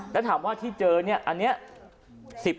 แล้วถามว่าที่เจอเนี่ยอันนี้